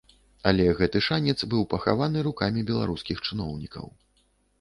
Але гэты шанец быў пахаваны рукамі беларускіх чыноўнікаў.